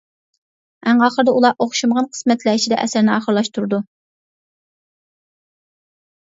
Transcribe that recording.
ئەڭ ئاخىرىدا ئۇلار ئوخشىمىغان قىسمەتلەر ئىچىدە ئەسەرنى ئاخىرلاشتۇرىدۇ.